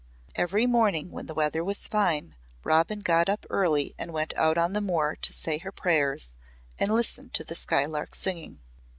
Every morning when the weather was fine Robin got up early and went out on the moor to say her prayers and listen to the skylarks singing.